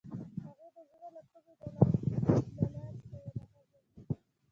هغې د زړه له کومې د لاره ستاینه هم وکړه.